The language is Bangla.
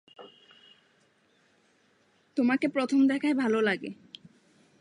তোমাকে প্রথম দেখায় ভাল লাগে।